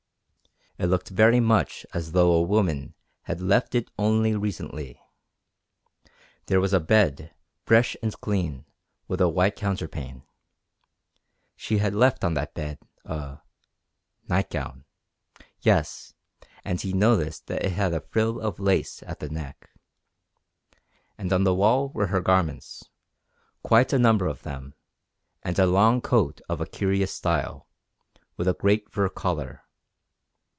It looked very much as though a woman had left it only recently. There was a bed, fresh and clean, with a white counterpane. She had left on that bed a nightgown; yes, and he noticed that it had a frill of lace at the neck. And on the wall were her garments, quite a number of them, and a long coat of a curious style, with a great fur collar.